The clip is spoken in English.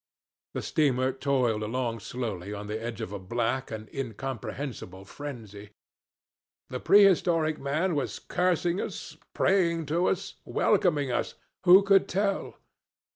The steamer toiled along slowly on the edge of a black and incomprehensible frenzy. The prehistoric man was cursing us, praying to us, welcoming us who could tell?